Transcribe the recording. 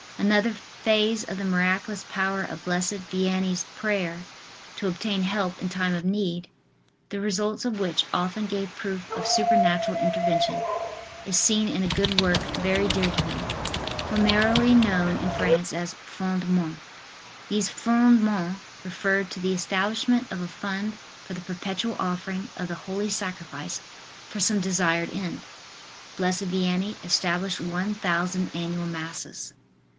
Another phase of the miraculous power of blessed Vianney's prayer to obtain help in time of need, the results of which often gave proof of supernatural intervention, is seen in a good work very dear to him, familiarly known in France as "Fondements." These "Fondements" referred to the establishment of a fund for the perpetual offering of the Holy Sacrifice for some desired end. Blessed Vianney established one thousand annual Masses.